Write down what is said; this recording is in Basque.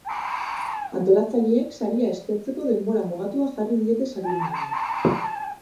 Antolatzaileek saria eskertzeko denbora mugatua jarri diete saridunei.